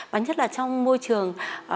và nhất là trong môi trường